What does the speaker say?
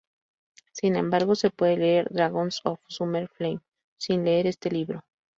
Sin embargo, se puede leer "Dragons of Summer Flame" sin leer este libro.